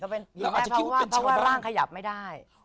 เพราะว่าร่างขยับไม่ได้